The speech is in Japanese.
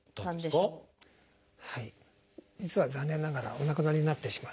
実は残念ながらお亡くなりになってしまったんですね。